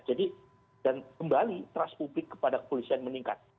jadi dan kembali trust publik kepada kepolisian meningkat